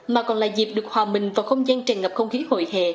mà còn là dịp được hòa mình vào không gian tràn ngập không khí hội hè